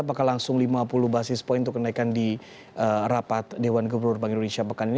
apakah langsung lima puluh basis point untuk kenaikan di rapat dewan gubernur bank indonesia pekan ini